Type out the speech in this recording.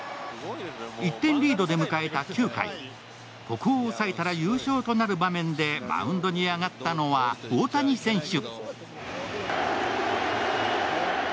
１点リードで迎えた９回、ここを抑えたら優勝となる場面で、マウンドに上がったのは大谷選手。